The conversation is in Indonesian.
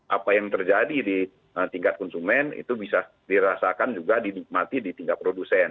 apa yang terjadi di tingkat konsumen itu bisa dirasakan juga dinikmati di tingkat produsen